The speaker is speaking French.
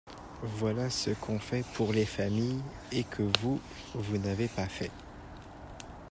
Voilà ce qu’on fait pour les familles et que vous, vous n’avez pas fait.